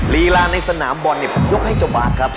ลีลาในสนามบอลเนี่ยผมยกให้เจ้าบาทครับ